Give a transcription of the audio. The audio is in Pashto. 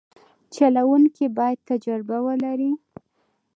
چلوونکی باید تجربه ولري.